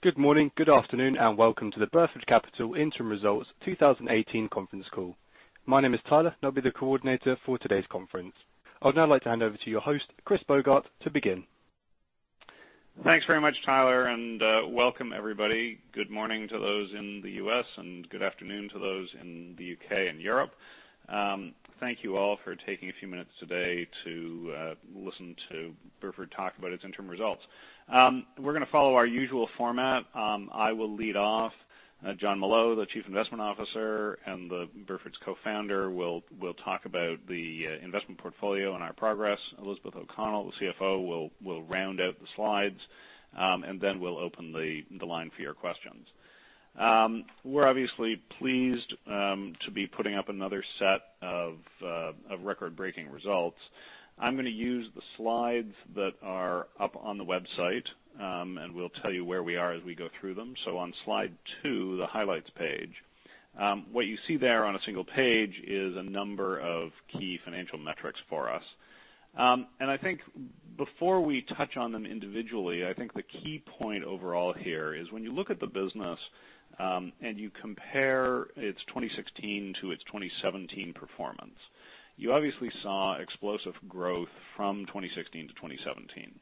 Good morning, good afternoon, and welcome to the Burford Capital Interim Results 2018 conference call. My name is Tyler, and I'll be the coordinator for today's conference. I would now like to hand over to your host, Christopher Bogart, to begin. Thanks very much, Tyler, welcome everybody. Good morning to those in the U.S., and good afternoon to those in the U.K. and Europe. Thank you all for taking a few minutes today to listen to Burford talk about its interim results. We're gonna follow our usual format. I will lead off. Jon Molot, the Chief Investment Officer and Burford's Co-founder will talk about the investment portfolio and our progress. Elizabeth O'Connell, the CFO, will round out the slides. Then we'll open the line for your questions. We're obviously pleased to be putting up another set of record-breaking results. I'm gonna use the slides that are up on the website, and we'll tell you where we are as we go through them. On slide two, the highlights page, what you see there on a single page is a number of key financial metrics for us. Before we touch on them individually, I think the key point overall here is when you look at the business, and you compare its 2016 to its 2017 performance, you obviously saw explosive growth from 2016 to 2017.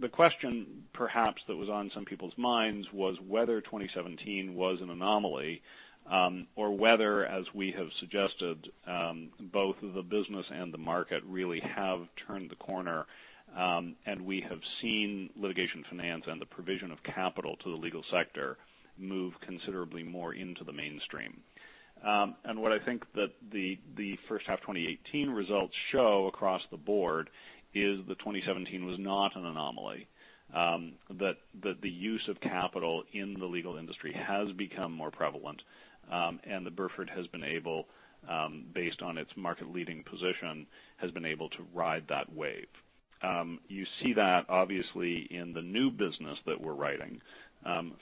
The question perhaps that was on some people's minds was whether 2017 was an anomaly, or whether, as we have suggested, both the business and the market really have turned the corner, and we have seen litigation finance and the provision of capital to the legal sector move considerably more into the mainstream. What I think that the first half 2018 results show across the board is that 2017 was not an anomaly, that the use of capital in the legal industry has become more prevalent, and that Burford, based on its market-leading position, has been able to ride that wave. You see that obviously in the new business that we're writing.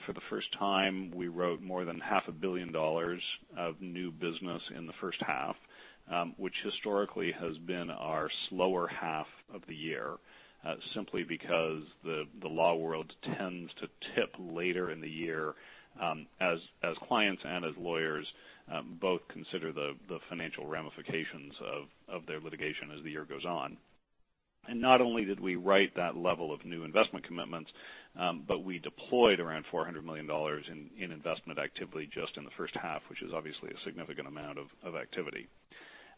For the first time, we wrote more than $500 million of new business in the first half, which historically has been our slower half of the year, simply because the law world tends to tip later in the year, as clients and as lawyers both consider the financial ramifications of their litigation as the year goes on. Not only did we write that level of new investment commitments, but we deployed around $400 million in investment activity just in the first half, which is obviously a significant amount of activity.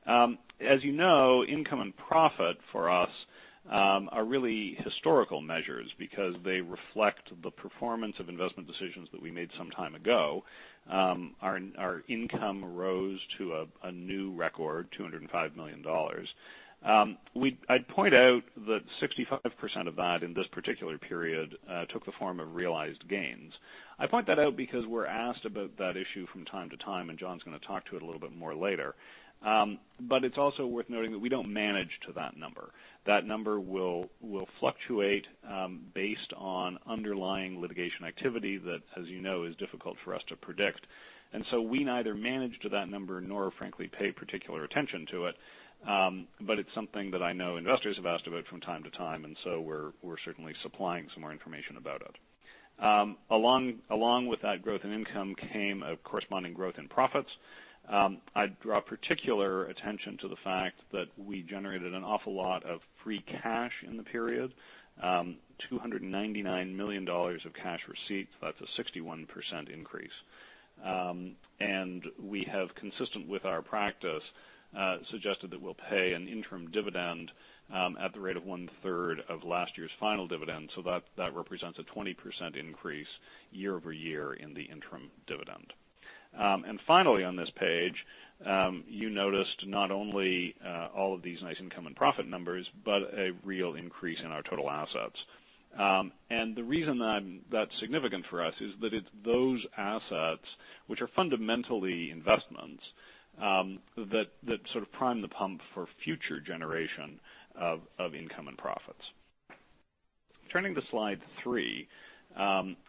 As you know, income and profit for us are really historical measures because they reflect the performance of investment decisions that we made some time ago. Our income rose to a new record, $205 million. I'd point out that 65% of that in this particular period took the form of realized gains. I point that out because we're asked about that issue from time to time, and Jon's gonna talk to it a little bit more later. It's also worth noting that we don't manage to that number. That number will fluctuate, based on underlying litigation activity that, as you know, is difficult for us to predict. We neither manage to that number nor frankly pay particular attention to it. But it's something that I know investors have asked about from time to time, and so we're certainly supplying some more information about it. Along with that growth in income came a corresponding growth in profits. I'd draw particular attention to the fact that we generated an awful lot of free cash in the period, $299 million of cash receipts. That's a 61% increase. We have, consistent with our practice, suggested that we'll pay an interim dividend at the rate of one-third of last year's final dividend, so that represents a 20% increase year-over-year in the interim dividend. Finally on this page, you noticed not only all of these nice income and profit numbers, but a real increase in our total assets. The reason that's significant for us is that it's those assets which are fundamentally investments, that sort of prime the pump for future generation of income and profits. Turning to slide three,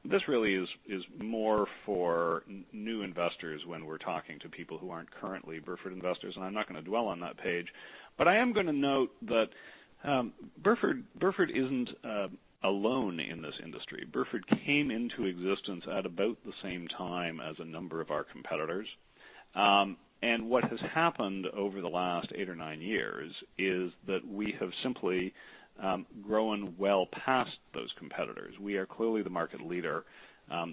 this really is more for new investors when we're talking to people who aren't currently Burford investors, I'm not gonna dwell on that page. I am gonna note that Burford isn't alone in this industry. Burford came into existence at about the same time as a number of our competitors. What has happened over the last eight or nine years is that we have simply grown well past those competitors. We are clearly the market leader.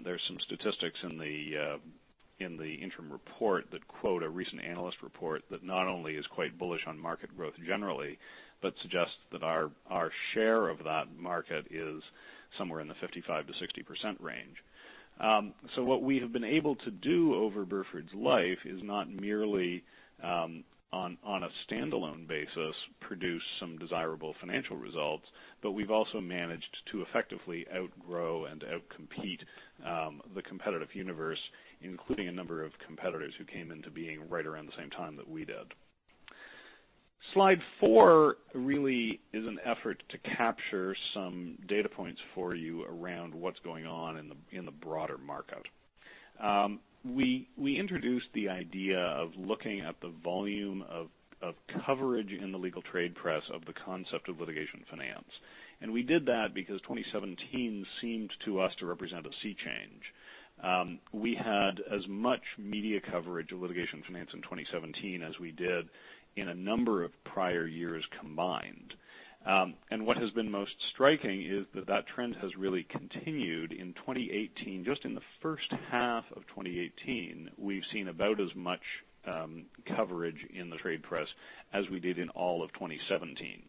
There's some statistics in the interim report that quote a recent analyst report that not only is quite bullish on market growth generally, but suggests that our share of that market is somewhere in the 55%-60% range. What we have been able to do over Burford's life is not merely on a standalone basis produce some desirable financial results, but we've also managed to effectively outgrow and outcompete the competitive universe, including a number of competitors who came into being right around the same time that we did. Slide four really is an effort to capture some data points for you around what's going on in the broader market. We introduced the idea of looking at the volume of coverage in the legal trade press of the concept of litigation finance. We did that because 2017 seemed to us to represent a sea change. We had as much media coverage of litigation finance in 2017 as we did in a number of prior years combined. What has been most striking is that that trend has really continued in 2018. Just in the first half of 2018, we've seen about as much coverage in the trade press as we did in all of 2017.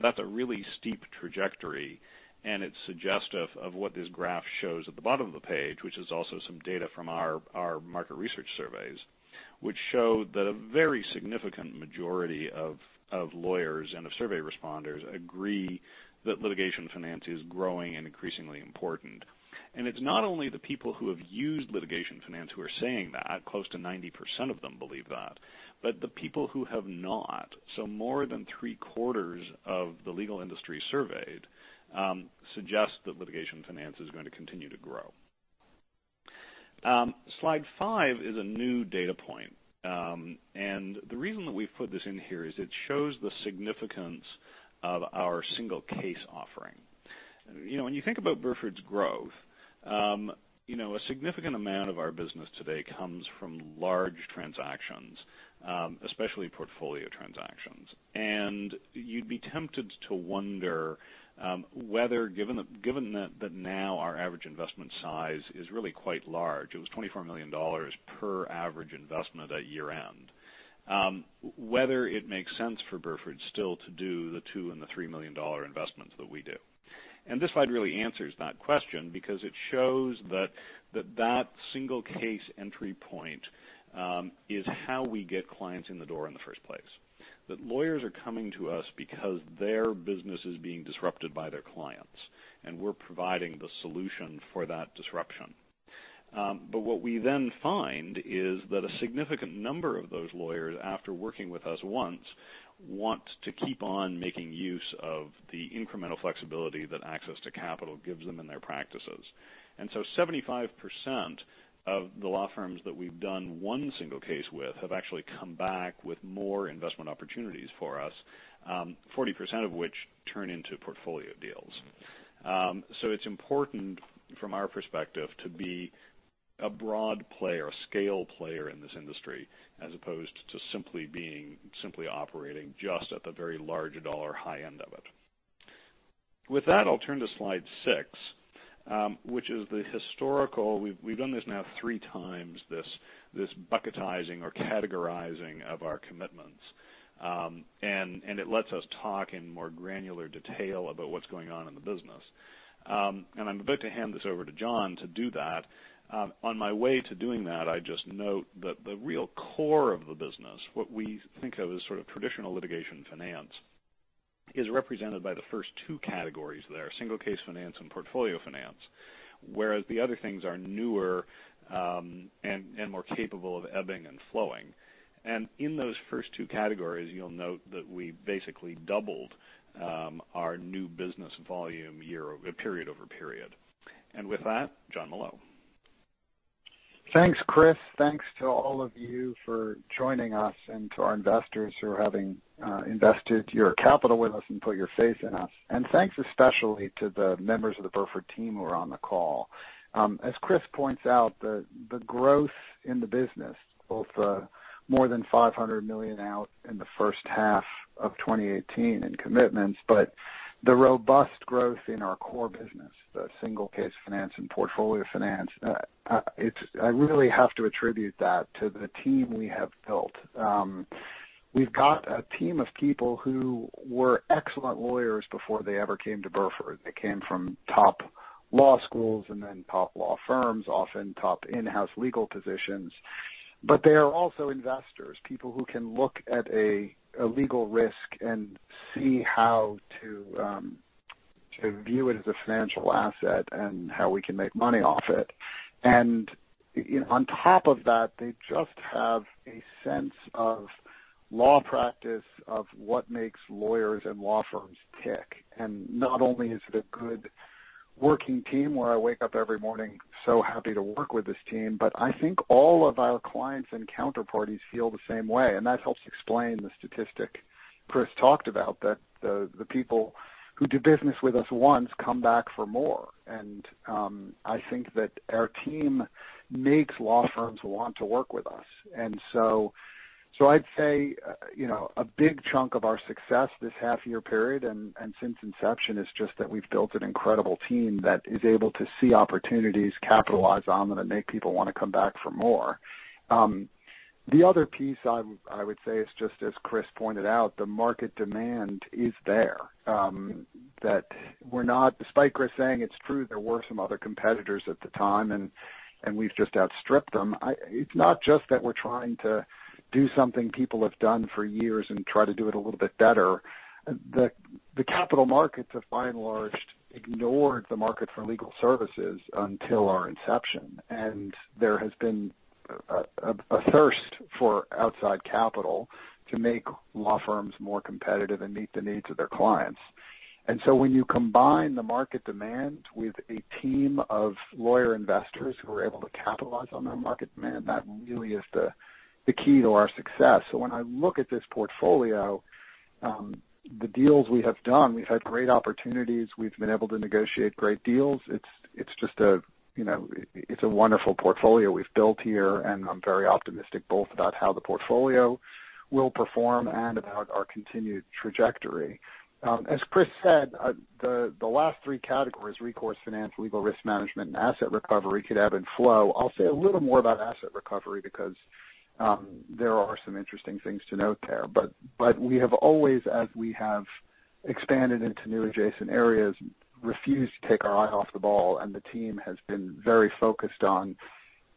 That's a really steep trajectory, and it's suggestive of what this graph shows at the bottom of the page, which is also some data from our market research surveys, which show that a very significant majority of lawyers and of survey responders agree that litigation finance is growing and increasingly important. It's not only the people who have used litigation finance who are saying that, close to 90% of them believe that, but the people who have not. More than three-quarters of the legal industry surveyed, suggest that litigation finance is going to continue to grow. Slide five is a new data point. The reason that we've put this in here is it shows the significance of our single case offering. You know, when you think about Burford's growth, you know, a significant amount of our business today comes from large transactions, especially portfolio transactions. You'd be tempted to wonder, whether given that now our average investment size is really quite large, it was $24 million per average investment at year-end, whether it makes sense for Burford still to do the $2 million and the $3 million investments that we do. This slide really answers that question because it shows that single-case entry point, is how we get clients in the door in the first place. That lawyers are coming to us because their business is being disrupted by their clients, and we're providing the solution for that disruption. What we then find is that a significant number of those lawyers, after working with us once, want to keep on making use of the incremental flexibility that access to capital gives them in their practices. 75% of the law firms that we've done one single case with have actually come back with more investment opportunities for us, 40% of which turn into portfolio deals. It's important from our perspective to be a broad player, a scale player in this industry, as opposed to simply operating just at the very large dollar high end of it. With that, I'll turn to slide six, which is the historical. We've done this now three times, this bucketizing or categorizing of our commitments. It lets us talk in more granular detail about what's going on in the business. I'm about to hand this over to Jon to do that. On my way to doing that, I just note that the real core of the business, what we think of as sort of traditional litigation finance, is represented by the first two categories there, single-case financing and portfolio finance, whereas the other things are newer and more capable of ebbing and flowing. In those first two categories, you'll note that we basically doubled our new business volume period-over-period. With that, Jon Molot. Thanks, Chris. Thanks to all of you for joining us and to our investors for having invested your capital with us and put your faith in us. Thanks especially to the members of the Burford team who are on the call. As Chris points out, the growth in the business, both the more than $500 million out in the first half of 2018 in commitments, but the robust growth in our core business, the single-case financing and portfolio finance, I really have to attribute that to the team we have built. We've got a team of people who were excellent lawyers before they ever came to Burford. They came from top law schools and then top law firms, often top in-house legal positions. They are also investors, people who can look at a legal risk and see how to view it as a financial asset and how we can make money off it. You know, on top of that, they just have a sense of law practice of what makes lawyers and law firms tick. Not only is it a good working team where I wake up every morning so happy to work with this team, but I think all of our clients and counterparties feel the same way. That helps explain the statistic Chris talked about, that the people who do business with us once come back for more. I think that our team makes law firms want to work with us. I'd say, a big chunk of our success this half year period and since inception is just that we've built an incredible team that is able to see opportunities, capitalize on them, and make people wanna come back for more. The other piece I would say is just as Chris pointed out, the market demand is there. Despite Chris saying it's true, there were some other competitors at the time and we've just outstripped them. It's not just that we're trying to do something people have done for years and try to do it a little bit better. The capital markets have, by and large, ignored the market for legal services until our inception, and there has been a thirst for outside capital to make law firms more competitive and meet the needs of their clients. When you combine the market demand with a team of lawyer investors who are able to capitalize on that market demand, that really is the key to our success. When I look at this portfolio, the deals we have done, we've had great opportunities. We've been able to negotiate great deals. It's just a, you know, a wonderful portfolio we've built here, and I'm very optimistic both about how the portfolio will perform and about our continued trajectory. As Chris said, the last three categories, recourse finance, legal risk management, and asset recovery could ebb and flow. I'll say a little more about asset recovery because there are some interesting things to note there. We have always, as we have expanded into new adjacent areas, refused to take our eye off the ball, and the team has been very focused on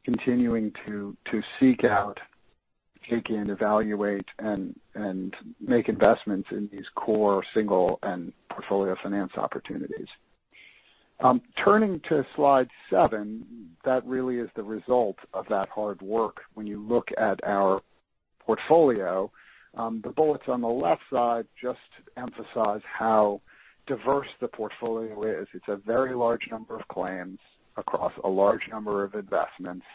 continuing to seek out, take in, evaluate, and make investments in these core single and portfolio finance opportunities. Turning to slide seven, that really is the result of that hard work when you look at our portfolio. The bullets on the left side just emphasize how diverse the portfolio is. It's a very large number of claims across a large number of investments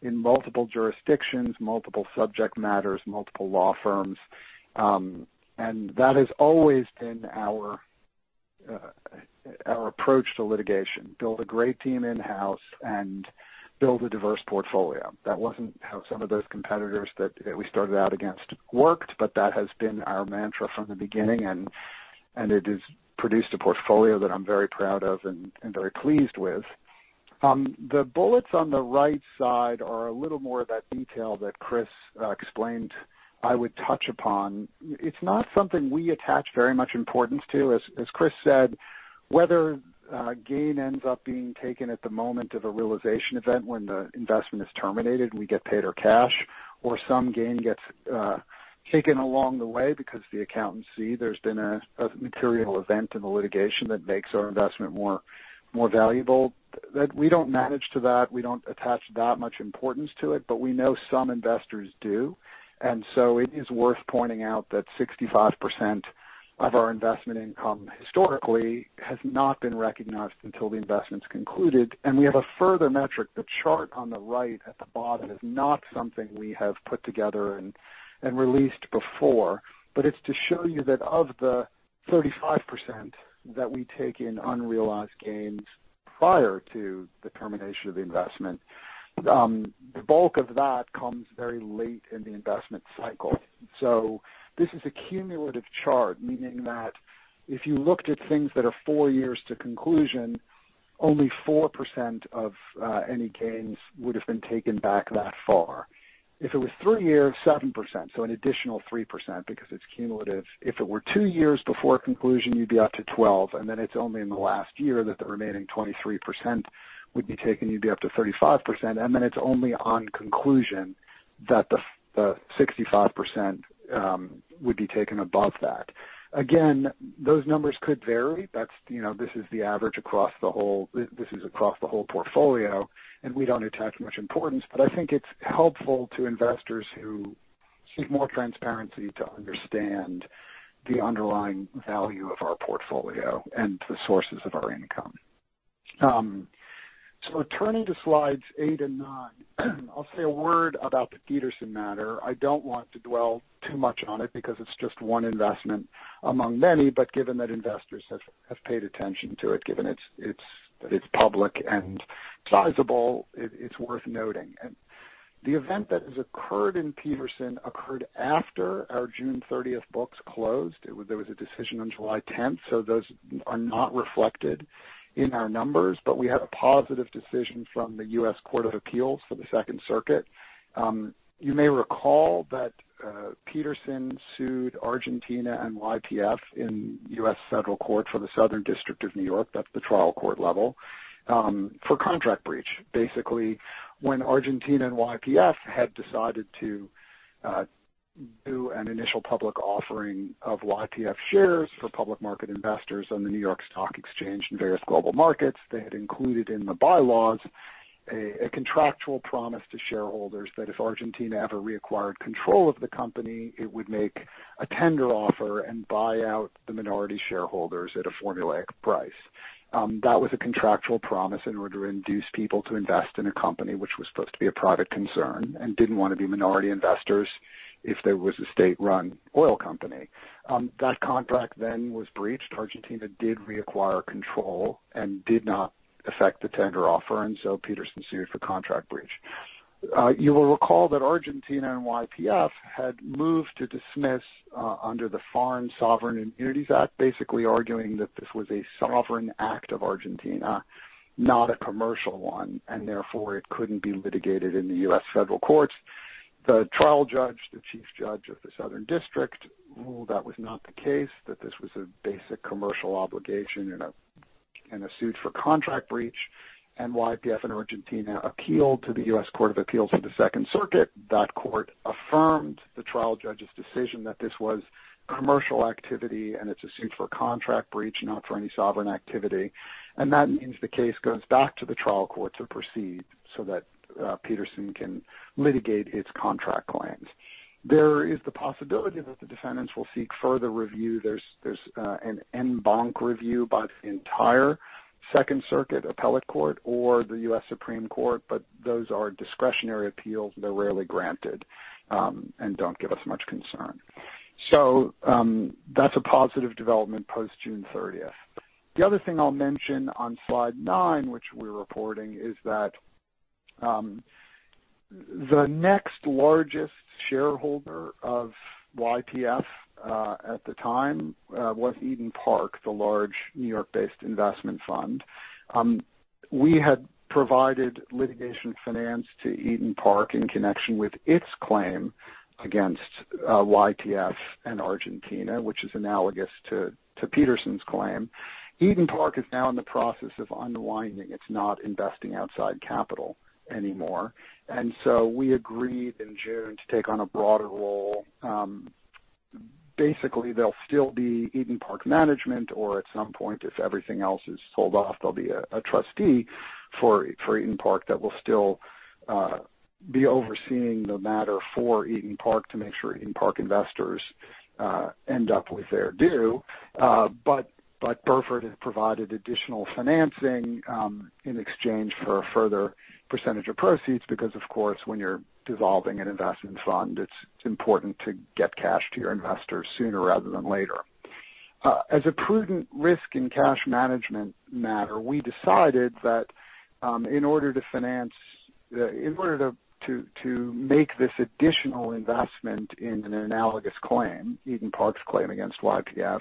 in multiple jurisdictions, multiple subject matters, multiple law firms. That has always been our approach to litigation. Build a great team in-house and build a diverse portfolio. That wasn't how some of those competitors that we started out against worked, but that has been our mantra from the beginning and it has produced a portfolio that I'm very proud of and very pleased with. The bullets on the right side are a little more of that detail that Chris explained I would touch upon. It's not something we attach very much importance to. As Chris said, whether gain ends up being taken at the moment of a realization event when the investment is terminated, we get paid our cash, or some gain gets taken along the way because the accountants see there's been a material event in the litigation that makes our investment more valuable. We don't manage to that. We don't attach that much importance to it, but we know some investors do. It is worth pointing out that 65% of our investment income historically has not been recognized until the investment's concluded. We have a further metric. The chart on the right at the bottom is not something we have put together and released before, but it's to show you that of the 35% that we take in unrealized gains prior to the termination of the investment, the bulk of that comes very late in the investment cycle. This is a cumulative chart, meaning that if you looked at things that are four years to conclusion, only 4% of any gains would have been taken back that far. If it was three years, 7%, so an additional 3% because it's cumulative. If it were two years before conclusion, you'd be up to 12. It's only in the last year that the remaining 23% would be taken. You'd be up to 35%. It's only on conclusion that the 65% would be taken above that. Again, those numbers could vary. That's, you know, this is the average across the whole portfolio, and we don't attach much importance, but I think it's helpful to investors who seek more transparency to understand the underlying value of our portfolio and the sources of our income. Turning to slides eight and nine, I'll say a word about the Petersen matter. I don't want to dwell too much on it because it's just one investment among many. Given that investors have paid attention to it, given that it's public and sizable, it's worth noting. The event that has occurred in Petersen occurred after our June 30th books closed. There was a decision on July 10th, so those are not reflected in our numbers. You may recall that Petersen sued Argentina and YPF in U.S. Federal Court for the Southern District of New York, that's the trial court level, for contract breach. Basically, when Argentina and YPF had decided to do an initial public offering of YPF shares for public market investors on the New York Stock Exchange and various global markets, they had included in the bylaws a contractual promise to shareholders that if Argentina ever reacquired control of the company, it would make a tender offer and buy out the minority shareholders at a formulaic price. That was a contractual promise in order to induce people to invest in a company which was supposed to be a private concern and didn't want to be minority investors if there was a state-run oil company. That contract was breached. Argentina did reacquire control and did not affect the tender offer. Petersen sued for contract breach. You will recall that Argentina and YPF had moved to dismiss under the Foreign Sovereign Immunities Act, basically arguing that this was a sovereign act of Argentina, not a commercial one, and therefore it couldn't be litigated in the U.S. federal courts. The trial judge, the chief judge of the Southern District, ruled that was not the case, that this was a basic commercial obligation in a suit for contract breach. YPF and Argentina appealed to the U.S. Court of Appeals for the Second Circuit. That court affirmed the trial judge's decision that this was commercial activity and it's a suit for contract breach, not for any sovereign activity. That means the case goes back to the trial court to proceed so that Petersen can litigate its contract claims. There is the possibility that the defendants will seek further review. There's an en banc review by the entire Second Circuit appellate court or the U.S. Supreme Court, but those are discretionary appeals. They're rarely granted and don't give us much concern. That's a positive development post June 30th. The other thing I'll mention on slide nine, which we're reporting, is that the next largest shareholder of YPF at the time was Eton Park, the large New York-based investment fund. We had provided litigation finance to Eton Park in connection with its claim against YPF and Argentina, which is analogous to Petersen's claim. Eton Park is now in the process of unwinding. It's not investing outside capital anymore. We agreed in June to take on a broader role. Basically, there'll still be Eton Park management, or at some point, if everything else is sold off, there'll be a trustee for Eton Park that will still be overseeing the matter for Eton Park to make sure Eton Park investors end up with their due. But Burford has provided additional financing in exchange for a further percentage of proceeds because, of course, when you're dissolving an investment fund, it's important to get cash to your investors sooner rather than later. As a prudent risk in cash management matter, we decided that, in order to finance, in order to make this additional investment in an analogous claim, Eton Park's claim against YPF,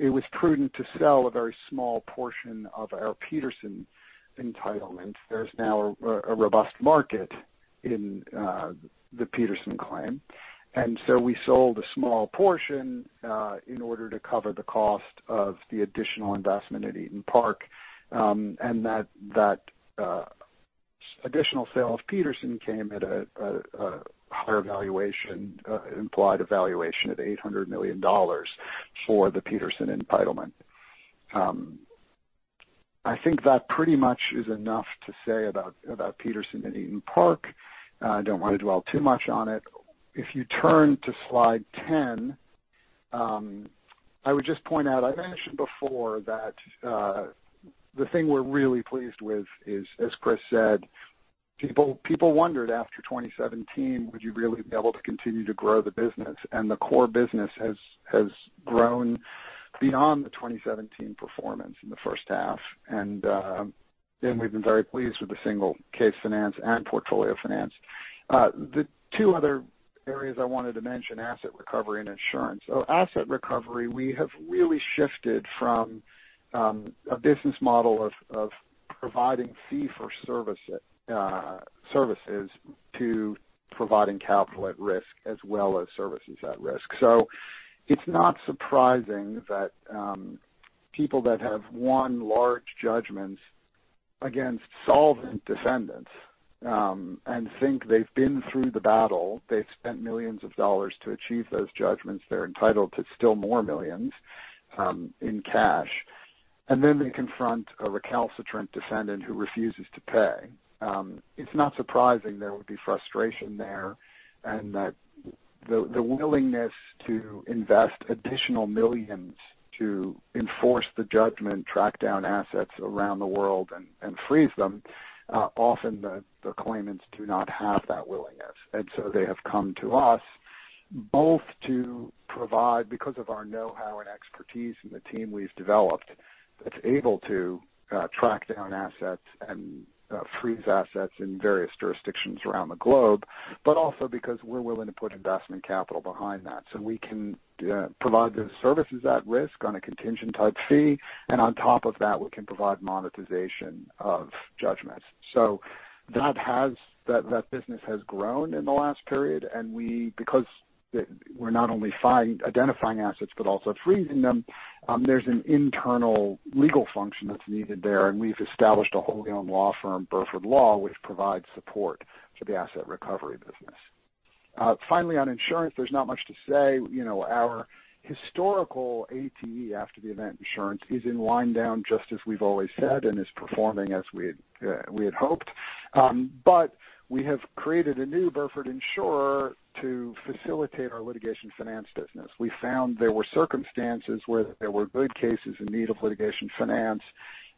it was prudent to sell a very small portion of our Petersen entitlement. There's now a robust market in the Petersen claim. We sold a small portion in order to cover the cost of the additional investment at Eton Park, and that additional sale of Petersen came at a higher valuation, implied valuation of $800 million for the Petersen entitlement. I think that pretty much is enough to say about Petersen and Eton Park. I don't wanna dwell too much on it. If you turn to slide 10, I would just point out, I mentioned before that the thing we're really pleased with is, as Chris said, people wondered after 2017, would you really be able to continue to grow the business? The core business has grown beyond the 2017 performance in the first half. We've been very pleased with the single-case finance and portfolio finance. The two other areas I wanted to mention, asset recovery and insurance. Asset recovery, we have really shifted from a business model of providing fee for service services to providing capital at risk as well as services at risk. It's not surprising that people that have won large judgments against solvent defendants and think they've been through the battle, they've spent millions of dollars to achieve those judgments, they're entitled to still more millions in cash. They confront a recalcitrant defendant who refuses to pay. It's not surprising there would be frustration there and that the willingness to invest additional millions to enforce the judgment, track down assets around the world and freeze them, often the claimants do not have that willingness. They have come to us both to provide because of our know-how and expertise and the team we've developed that's able to track down assets and freeze assets in various jurisdictions around the globe, but also because we're willing to put investment capital behind that. We can provide those services at risk on a contingent type fee. On top of that, we can provide monetization of judgments. That business has grown in the last period. Because we're not only identifying assets but also freezing them, there's an internal legal function that's needed there. We've established a wholly owned law firm, Burford Law, which provides support to the asset recovery business. Finally, on insurance, there's not much to say. You know, our historical ATE, after the event insurance, is in wind down just as we've always said and is performing as we'd we had hoped. We have created a new Burford insurer to facilitate our litigation finance business. We found there were circumstances where there were good cases in need of litigation finance,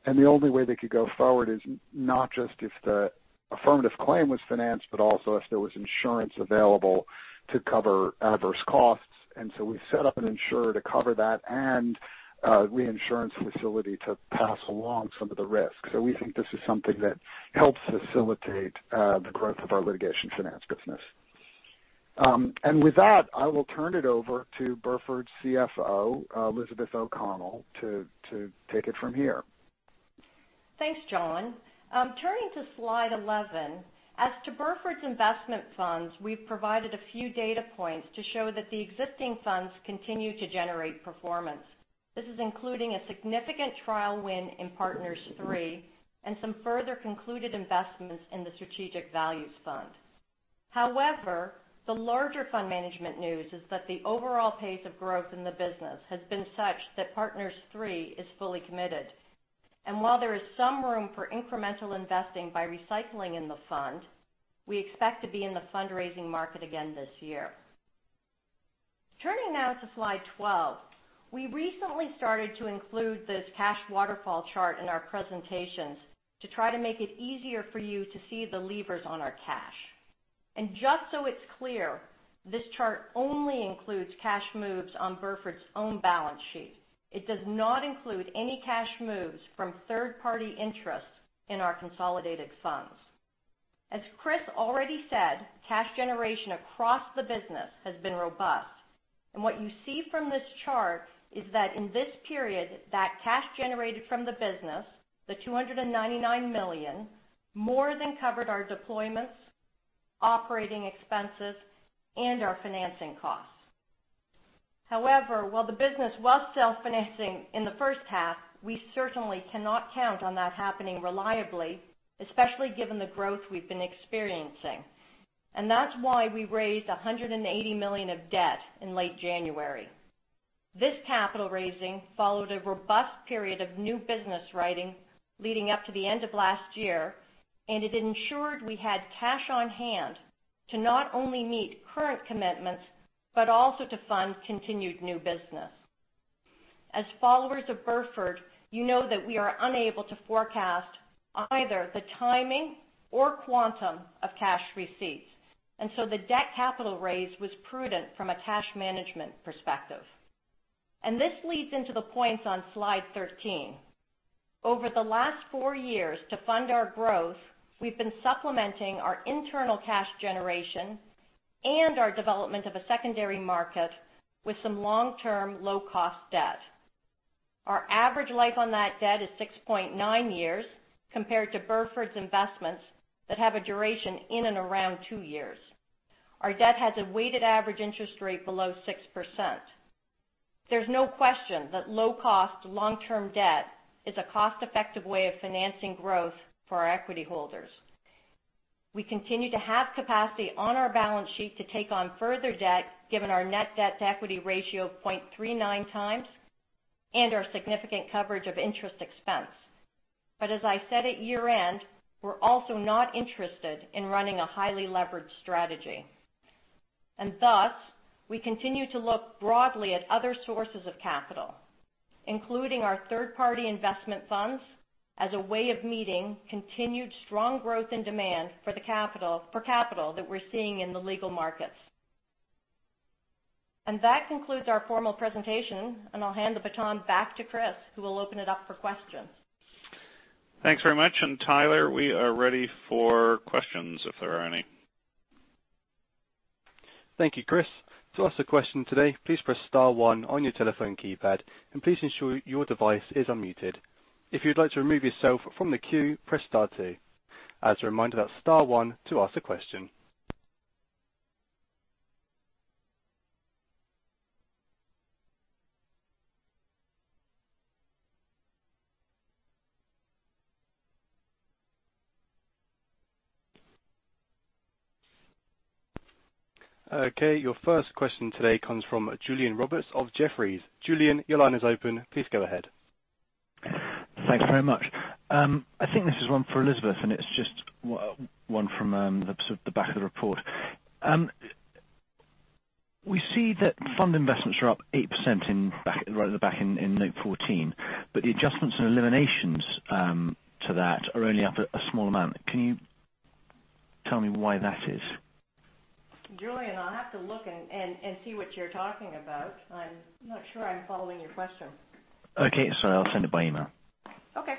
and the only way they could go forward is not just if the affirmative claim was financed, but also if there was insurance available to cover adverse costs. We set up an insurer to cover that and a reinsurance facility to pass along some of the risks. We think this is something that helps facilitate the growth of our litigation finance business. And with that, I will turn it over to Burford's CFO, Elizabeth O'Connell, to take it from here. Thanks, Jon. Turning to slide 11. As to Burford's investment funds, we've provided a few data points to show that the existing funds continue to generate performance. This is including a significant trial win in Partners III and some further concluded investments in the Strategic Value Fund. However, the larger fund management news is that the overall pace of growth in the business has been such that Partners III is fully committed. While there is some room for incremental investing by recycling in the fund, we expect to be in the fundraising market again this year. Turning now to slide 12. We recently started to include this cash waterfall chart in our presentations to try to make it easier for you to see the levers on our cash. Just so it's clear, this chart only includes cash moves on Burford's own balance sheet. It does not include any cash moves from third-party interests in our consolidated funds. As Chris already said, cash generation across the business has been robust. What you see from this chart is that in this period that cash generated from the business, the $299 million, more than covered our deployments, operating expenses, and our financing costs. However, while the business was self-financing in the first half, we certainly cannot count on that happening reliably, especially given the growth we've been experiencing. That's why we raised $180 million of debt in late January. This capital raising followed a robust period of new business writing leading up to the end of last year, and it ensured we had cash on hand to not only meet current commitments, but also to fund continued new business. As followers of Burford, you know that we are unable to forecast either the timing or quantum of cash receipts, and so the debt capital raise was prudent from a cash management perspective. This leads into the points on slide 13. Over the last four years to fund our growth, we've been supplementing our internal cash generation and our development of a secondary market with some long-term, low-cost debt. Our average life on that debt is 6.9 years compared to Burford's investments that have a duration in and around two years. Our debt has a weighted average interest rate below 6%. There's no question that low cost, long-term debt is a cost-effective way of financing growth for our equity holders. We continue to have capacity on our balance sheet to take on further debt, given our net debt to equity ratio of 0.39x and our significant coverage of interest expense. As I said at year-end, we're also not interested in running a highly leveraged strategy. Thus, we continue to look broadly at other sources of capital, including our third-party investment funds, as a way of meeting continued strong growth and demand for capital that we're seeing in the legal markets. That concludes our formal presentation, and I'll hand the baton back to Chris, who will open it up for questions. Thanks very much. Tyler, we are ready for questions, if there are any. Thank you, Chris. To ask a question today press star one on your telephone keypad and please ensure your device is unmuted. If you'd like to remove yourself from the queue press star two. As a reminder star one to ask a question. Okay, your first question today comes from Julian Roberts of Jefferies. Julian, your line is open. Please go ahead. Thanks very much. I think this is one for Elizabeth, and it's just one from the sort of the back of the report. We see that fund investments are up 8% right at the back in note 14, but the adjustments and eliminations to that are only up a small amount. Can you tell me why that is? Julian, I'll have to look and see what you're talking about. I'm not sure I'm following your question. Okay. I'll send it by email. Okay.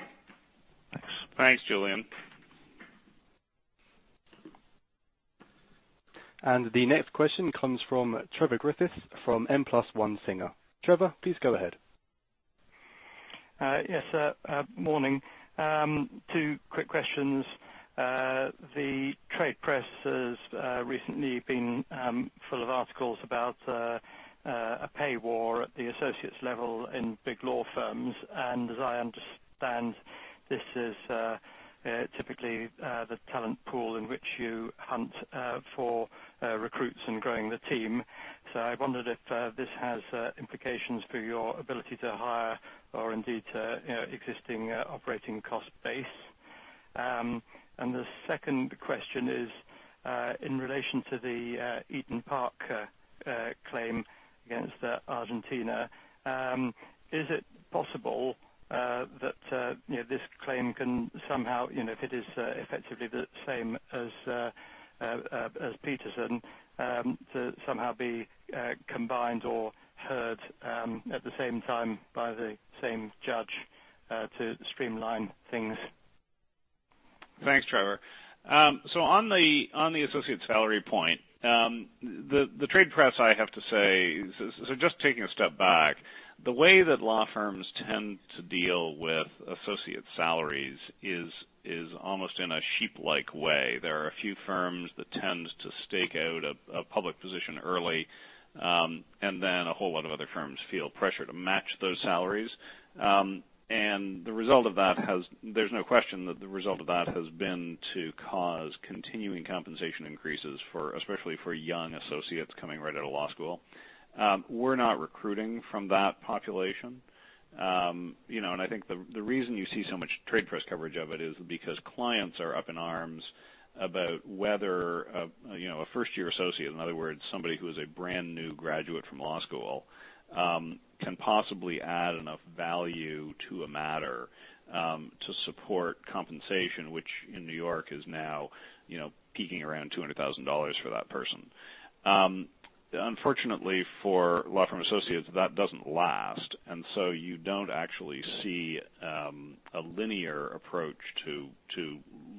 Thanks. Thanks, Julian. The next question comes from Trevor Griffiths from N+1 Singer. Trevor, please go ahead. Yes, morning. Two quick questions. The trade press has recently been full of articles about a pay war at the associates level in big law firms. As I understand, this is typically the talent pool in which you hunt for recruits in growing the team. I wondered if this has implications for your ability to hire or indeed to, you know, existing operating cost base. The second question is, in relation to the Eton Park claim against Argentina, is it possible that, you know, this claim can somehow, you know, if it is effectively the same as Petersen, to somehow be combined or heard at the same time by the same judge to streamline things? Thanks, Trevor. On the associate salary point, the trade press, I have to say, just taking a step back, the way that law firms tend to deal with associate salaries is almost in a sheep-like way. There are a few firms that tends to stake out a public position early, a whole lot of other firms feel pressure to match those salaries. The result of that there's no question that the result of that has been to cause continuing compensation increases for, especially for young associates coming right out of law school. We're not recruiting from that population. You know, I think the reason you see so much trade press coverage of it is because clients are up in arms about whether a, you know, a first-year associate, in other words, somebody who is a brand new graduate from law school, can possibly add enough value to a matter to support compensation, which in New York is now, you know, peaking around $200,000 for that person. Unfortunately for law firm associates, that doesn't last, you don't actually see a linear approach to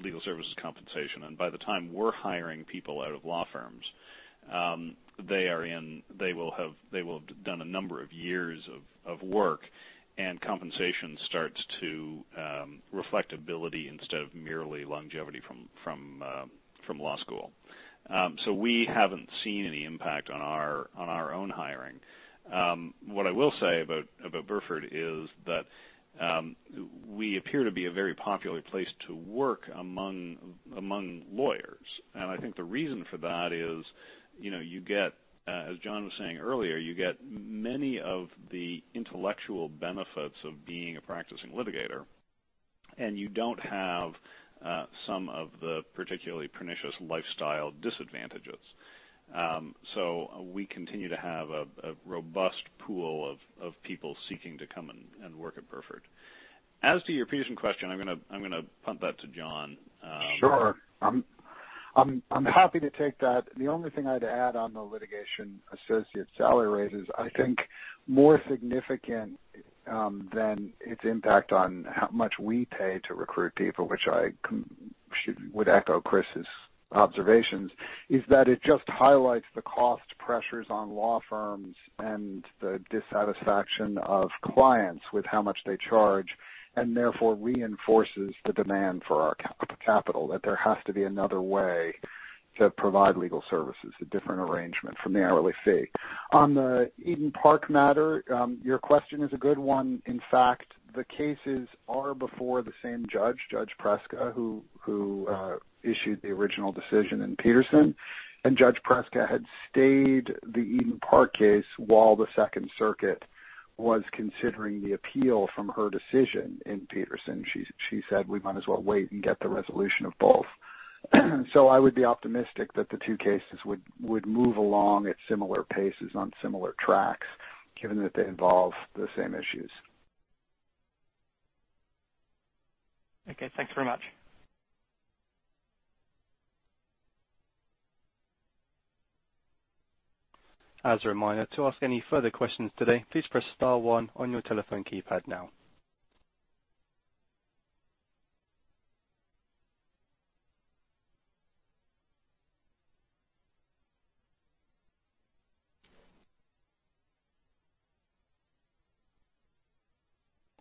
legal services compensation. By the time we're hiring people out of law firms, they will have done a number of years of work, and compensation starts to reflect ability instead of merely longevity from law school. We haven't seen any impact on our own hiring. What I will say about Burford is that we appear to be a very popular place to work among lawyers. I think the reason for that is, you know, you get, as Jon was saying earlier, you get many of the intellectual benefits of being a practicing litigator, and you don't have some of the particularly pernicious lifestyle disadvantages. We continue to have a robust pool of people seeking to come and work at Burford. As to your Petersen question, I'm gonna punt that to Jon. Sure. I'm happy to take that. The only thing I'd add on the litigation associate salary raises, I think more significant than its impact on how much we pay to recruit people, which I would echo Chris's observations, is that it just highlights the cost pressures on law firms and the dissatisfaction of clients with how much they charge, and therefore reinforces the demand for our capital, that there has to be another way to provide legal services, a different arrangement from the hourly fee. On the Eton Park matter, your question is a good one. In fact, the cases are before the same judge. Judge Preska, who issued the original decision in Petersen. Judge Preska had stayed the Eton Park case while the Second Circuit was considering the appeal from her decision in Petersen. She said, "We might as well wait and get the resolution of both." I would be optimistic that the two cases would move along at similar paces on similar tracks, given that they involve the same issues. Okay. Thank you very much. As a reminder, to ask any further questions today, please press star one on your telephone keypad now.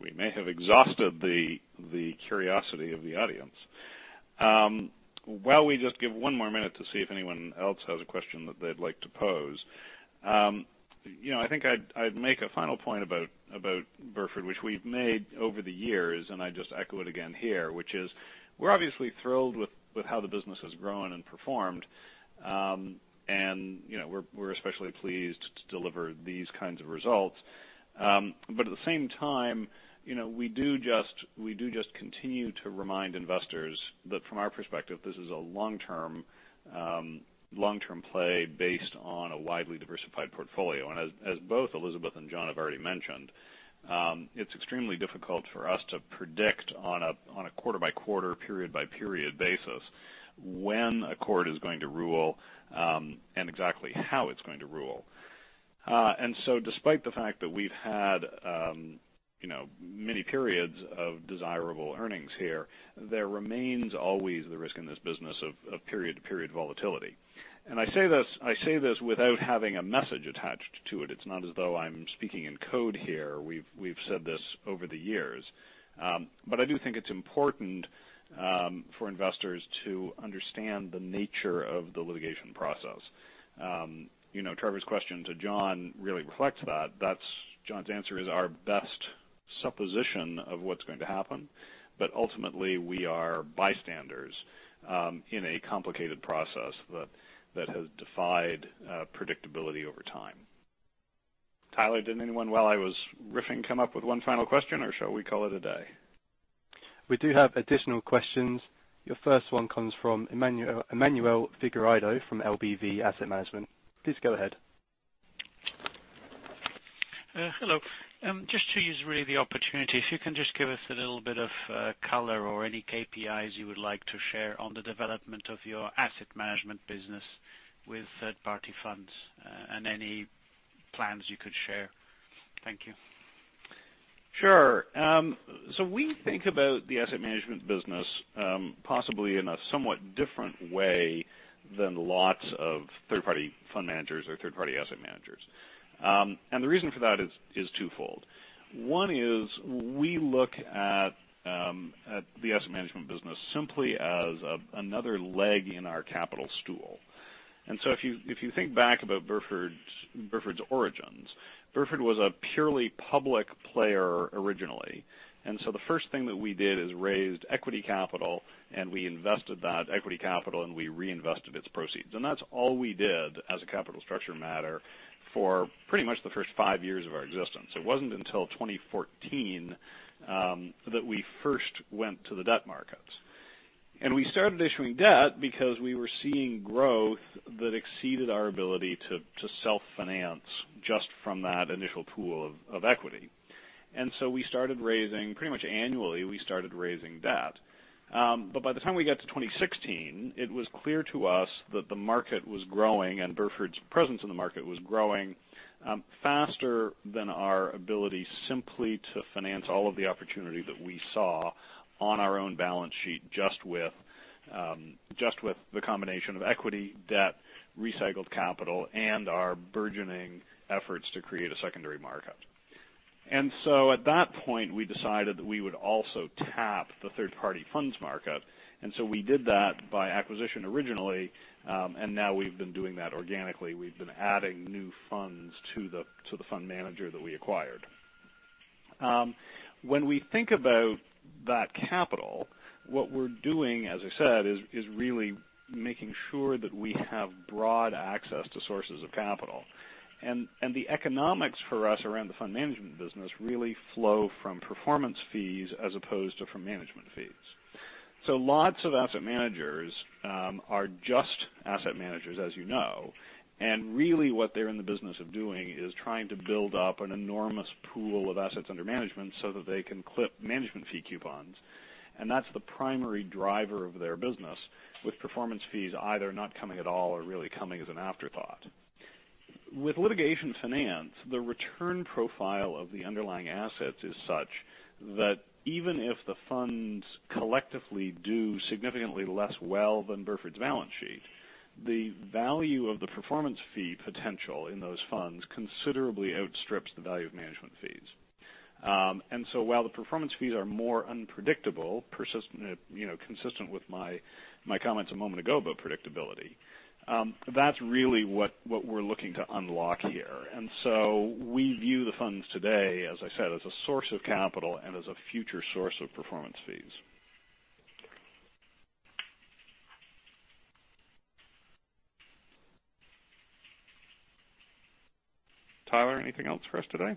We may have exhausted the curiosity of the audience. While we just give one more minute to see if anyone else has a question that they'd like to pose, you know, I think I'd make a final point about Burford, which we've made over the years, and I just echo it again here, which is we're obviously thrilled with how the business has grown and performed. You know, we're especially pleased to deliver these kinds of results. At the same time, you know, we do just continue to remind investors that from our perspective, this is a long-term play based on a widely diversified portfolio. As both Elizabeth and Jon have already mentioned, it's extremely difficult for us to predict on a quarter-by-quarter, period-by-period basis when a court is going to rule and exactly how it's going to rule. Despite the fact that we've had, you know, many periods of desirable earnings here, there remains always the risk in this business of period-to-period volatility. I say this without having a message attached to it. It's not as though I'm speaking in code here. We've said this over the years. I do think it's important for investors to understand the nature of the litigation process. You know, Trevor's question to Jon really reflects that. Jon's answer is our best supposition of what's going to happen. Ultimately, we are bystanders, in a complicated process that has defied predictability over time. Tyler, did anyone while I was riffing come up with one final question, or shall we call it a day? We do have additional questions. Your first one comes from Emmanuel de Figueiredo from LBV Asset Management. Please go ahead. Hello. Just to use really the opportunity, if you can just give us a little bit of color or any KPIs you would like to share on the development of your asset management business with third-party funds, and any plans you could share. Thank you. Sure. We think about the asset management business possibly in a somewhat different way than lots of third-party fund managers or third-party asset managers. The reason for that is twofold. One is we look at the asset management business simply as another leg in our capital stool. If you think back about Burford's origins, Burford was a purely public player originally. The first thing that we did is raised equity capital, and we invested that equity capital, and we reinvested its proceeds. That's all we did as a capital structure matter, for pretty much the first five years of our existence. It wasn't until 2014 that we first went to the debt markets. We started issuing debt because we were seeing growth that exceeded our ability to self-finance just from that initial pool of equity. By the time we got to 2016, it was clear to us that the market was growing and Burford's presence in the market was growing faster than our ability simply to finance all of the opportunity that we saw on our own balance sheet just with the combination of equity, debt, recycled capital, and our burgeoning efforts to create a secondary market. At that point, we decided that we would also tap the third-party funds market. We did that by acquisition originally, and now we've been doing that organically. We've been adding new funds to the fund manager that we acquired. When we think about that capital, what we're doing, as I said, is really making sure that we have broad access to sources of capital. The economics for us around the fund management business really flow from performance fees as opposed to from management fees. Lots of asset managers are just asset managers, as you know, and really what they're in the business of doing is trying to build up an enormous pool of assets under management so that they can clip management fee coupons, and that's the primary driver of their business, with performance fees either not coming at all or really coming as an afterthought. With litigation finance, the return profile of the underlying assets is such that even if the funds collectively do significantly less well than Burford's balance sheet, the value of the performance fee potential in those funds considerably outstrips the value of management fees. While the performance fees are more unpredictable, you know, consistent with my comments a moment ago about predictability, that's really what we're looking to unlock here. We view the funds today, as I said, as a source of capital and as a future source of performance fees. Tyler, anything else for us today?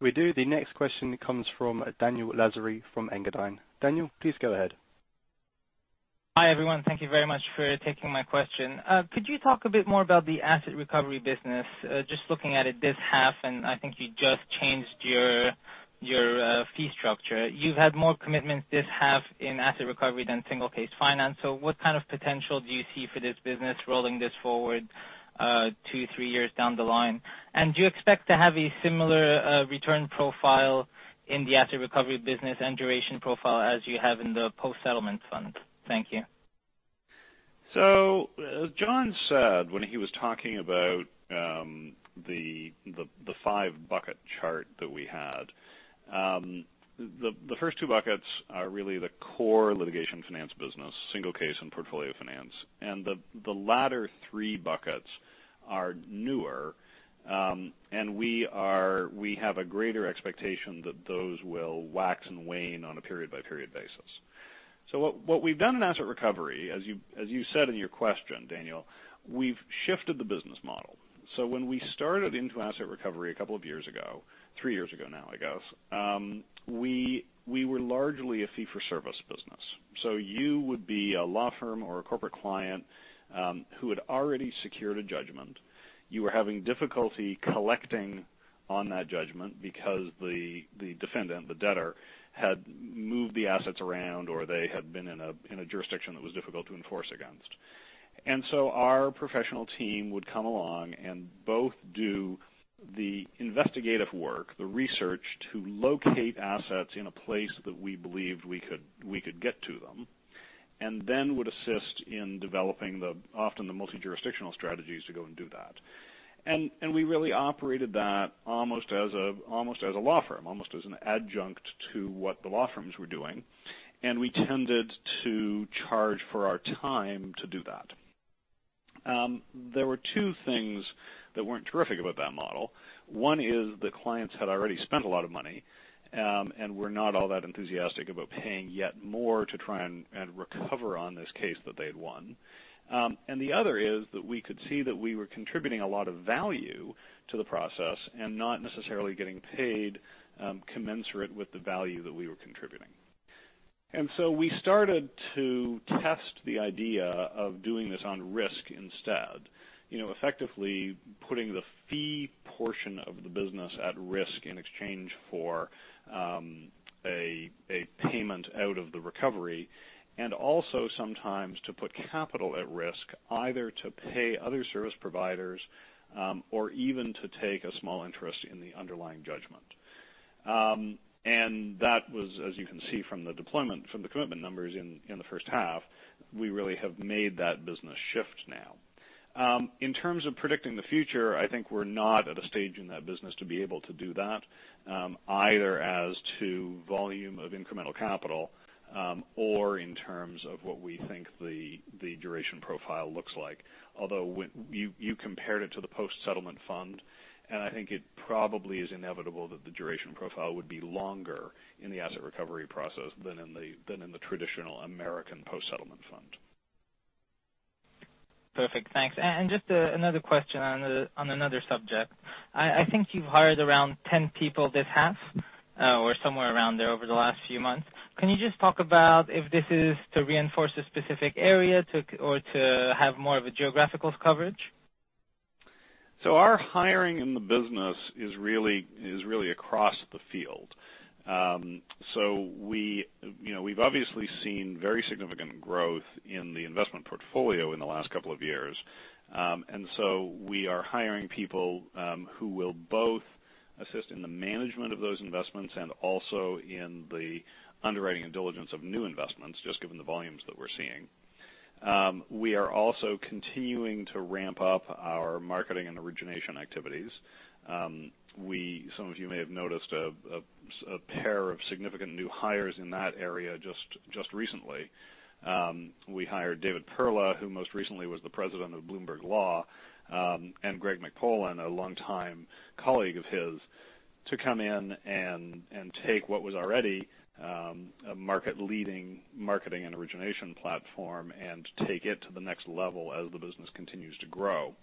We do. The next question comes from Daniel Lasry from Engadine. Daniel, please go ahead. Hi, everyone. Thank you very much for taking my question. Could you talk a bit more about the asset recovery business? Just looking at it this half, and I think you just changed your fee structure. You've had more commitments this half in asset recovery than single case finance. What kind of potential do you see for this business rolling this forward, two, three years down the line? Do you expect to have a similar return profile in the asset recovery business and duration profile as you have in the post-settlement fund? Thank you. As Jon said when he was talking about the five-bucket chart that we had, the first two buckets are really the core litigation finance business, single case and portfolio finance. The latter three buckets are newer, and we have a greater expectation that those will wax and wane on a period-by-period basis. What we've done in asset recovery, as you said in your question, Daniel, we've shifted the business model. When we started into asset recovery a couple of years ago, three years ago now, I guess, we were largely a fee-for-service business. You would be a law firm or a corporate client, who had already secured a judgment. You were having difficulty collecting on that judgment because the defendant, the debtor, had moved the assets around or they had been in a jurisdiction that was difficult to enforce against. Our professional team would come along and both do the investigative work, the research to locate assets in a place that we believed we could get to them, and then would assist in developing the often multi-jurisdictional strategies to go and do that. We really operated that almost as a law firm, almost as an adjunct to what the law firms were doing, and we tended to charge for our time to do that. There were two things that weren't terrific about that model. One is the clients had already spent a lot of money, and were not all that enthusiastic about paying yet more to try and recover on this case that they had won. The other is that we could see that we were contributing a lot of value to the process and not necessarily getting paid commensurate with the value that we were contributing. We started to test the idea of doing this on risk instead, you know, effectively putting the fee portion of the business at risk in exchange for a payment out of the recovery, and also sometimes to put capital at risk, either to pay other service providers or even to take a small interest in the underlying judgment. And that was, as you can see from the deployment, from the commitment numbers in the first half, we really have made that business shift now. In terms of predicting the future, I think we're not at a stage in that business to be able to do that, either as to volume of incremental capital, or in terms of what we think the duration profile looks like. Although you compared it to the post-settlement funding, and I think it probably is inevitable that the duration profile would be longer in the asset recovery process than in the, than in the traditional American post-settlement funding. Perfect. Thanks. Just another question on another subject. I think you've hired around 10 people this half, or somewhere around there over the last few months. Can you just talk about if this is to reinforce a specific area or to have more of a geographical coverage? Our hiring in the business is really across the field. We, you know, we've obviously seen very significant growth in the investment portfolio in the last couple of years. We are hiring people who will both assist in the management of those investments and also in the underwriting and diligence of new investments, just given the volumes that we're seeing. We are also continuing to ramp up our marketing and origination activities. Some of you may have noticed a pair of significant new hires in that area just recently. We hired David Perla, who most recently was the president of Bloomberg Law, and Greg McPolin, a longtime colleague of his, to come in and take what was already a market leading marketing and origination platform and take it to the next level as the business continues to grow.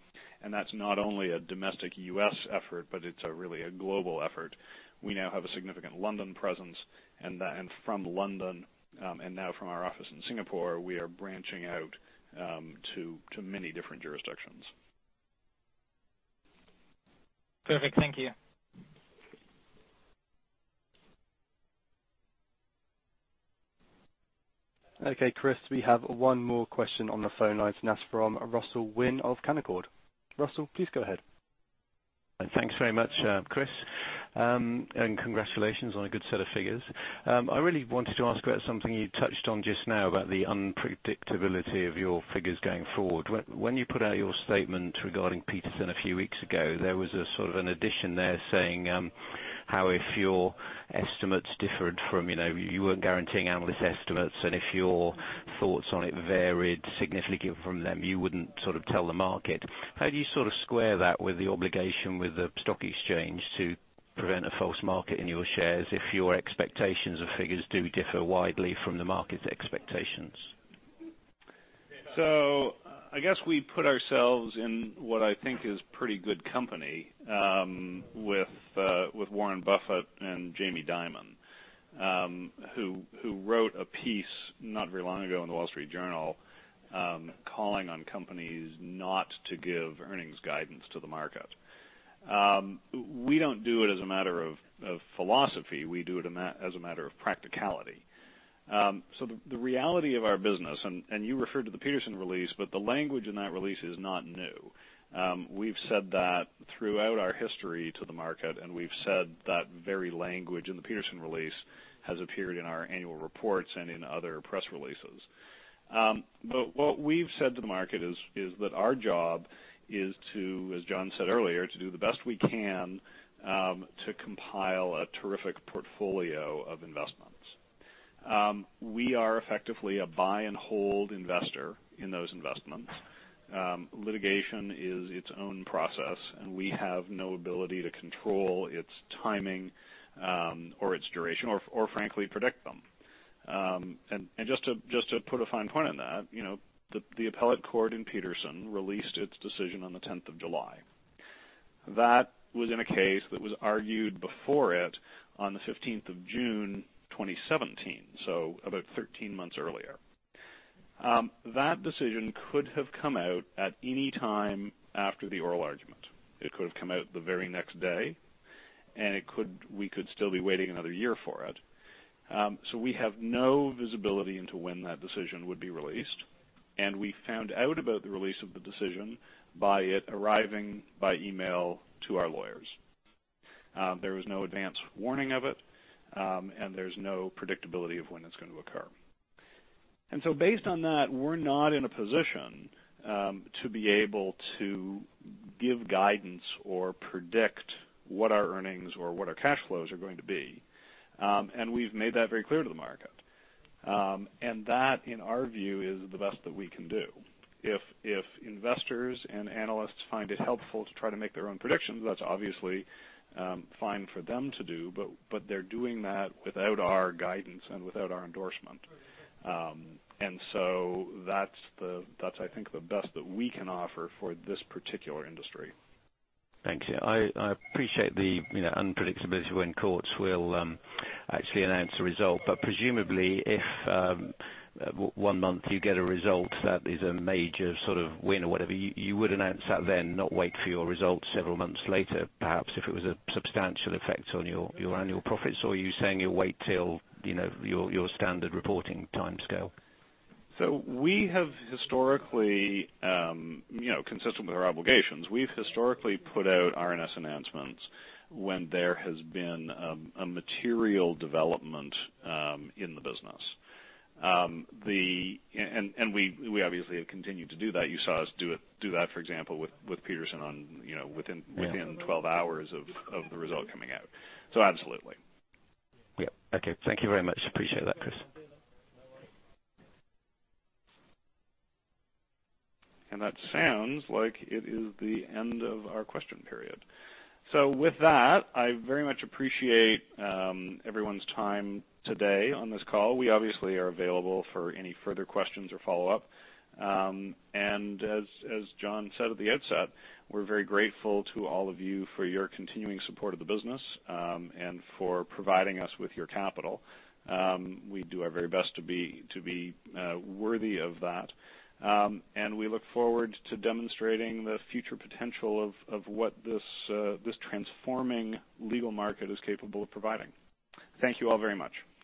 That's not only a domestic U.S. effort, but it's a really a global effort. We now have a significant London presence, and from London, and now from our office in Singapore, we are branching out to many different jurisdictions. Perfect. Thank you. Okay, Chris, we have one more question on the phone line. It's from Russell Wynn of Canaccord. Russell, please go ahead. Thanks very much, Chris, and congratulations on a good set of figures. I really wanted to ask about something you touched on just now about the unpredictability of your figures going forward. When you put out your statement regarding Petersen a few weeks ago, there was a sort of an addition there saying, how if your estimates differed from, you know, you weren't guaranteeing analyst estimates, and if your thoughts on it varied significantly from them, you wouldn't sort of tell the market. How do you sort of square that with the obligation with the stock exchange to prevent a false market in your shares if your expectations of figures do differ widely from the market's expectations? I guess we put ourselves in what I think is pretty good company, with Warren Buffett and Jamie Dimon, who wrote a piece not very long ago in The Wall Street Journal, calling on companies not to give earnings guidance to the market. We don't do it as a matter of philosophy. We do it as a matter of practicality. The reality of our business, and you referred to the Petersen release, but the language in that release is not new. We've said that throughout our history to the market, and we've said that very language in the Petersen release has appeared in our annual reports and in other press releases. What we've said to the market is that our job is to, as Jon said earlier, to do the best we can to compile a terrific portfolio of investments. We are effectively a buy and hold investor in those investments. Litigation is its own process, and we have no ability to control its timing, or its duration or frankly, predict them. And just to put a fine point on that, you know, the appellate court in Petersen released its decision on the 10th of July. That was in a case that was argued before it on the 15th of June, 2017, so about 13 months earlier. That decision could have come out at any time after the oral argument. It could have come out the very next day, we could still be waiting another year for it. We have no visibility into when that decision would be released, and we found out about the release of the decision by it arriving by email to our lawyers. There was no advance warning of it, there's no predictability of when it's going to occur. Based on that, we're not in a position to be able to give guidance or predict what our earnings or what our cash flows are going to be. We've made that very clear to the market. That, in our view, is the best that we can do. If investors and analysts find it helpful to try to make their own predictions, that's obviously fine for them to do, but they're doing that without our guidance and without our endorsement. That's I think the best that we can offer for this particular industry. Thanks. I appreciate the, you know, unpredictability when courts will actually announce a result. Presumably, if one month you get a result that is a major sort of win or whatever, you would announce that then, not wait for your results several months later, perhaps if it was a substantial effect on your annual profits. Are you saying you'll wait till, you know, your standard reporting timescale? We have historically, you know, consistent with our obligations, we've historically put out RNS announcements when there has been a material development in the business. We obviously have continued to do that. You saw us do that, for example, with Petersen on, you know, within 12 hours of the result coming out. Absolutely. Yeah. Okay. Thank you very much. Appreciate that, Chris. That sounds like it is the end of our question period. With that, I very much appreciate everyone's time today on this call. We obviously are available for any further questions or follow-up. As Jon said at the outset, we're very grateful to all of you for your continuing support of the business and for providing us with your capital. We do our very best to be worthy of that. We look forward to demonstrating the future potential of what this transforming legal market is capable of providing. Thank you all very much.